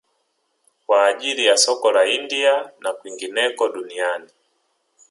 Kwa ajili ya soko la India na kwingineko duniani